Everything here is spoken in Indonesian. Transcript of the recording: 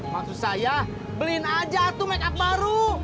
maksud saya beliin aja tuh makeup baru